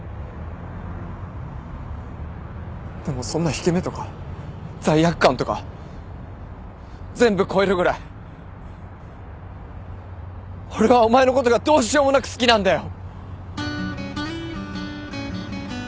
でもそんな引け目とか罪悪感とか全部超えるぐらい俺はお前のことがどうしようもなく好きなんだよ。